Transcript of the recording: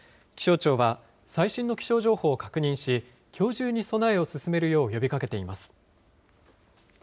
気象庁は最新の気象情報を確認し、きょう中に備えを進めるよう呼びかけています。